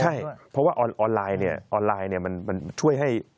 ใช่เพราะว่าออนไลน์เนี่ยออนไลน์เนี่ยมันช่วยให้